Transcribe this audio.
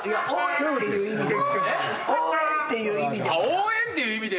応援っていう意味で。